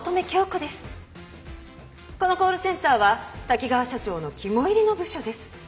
このコールセンターは滝川社長の肝煎りの部署です。